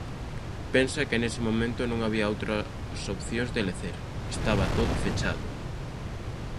Pensa que nese momento non había outras opcións de lecer, estaba todo fechado.